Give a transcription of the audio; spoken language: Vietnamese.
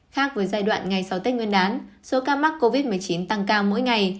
khác với giai đoạn ngày sau tết nguyên đán số ca mắc covid một mươi chín tăng cao mỗi ngày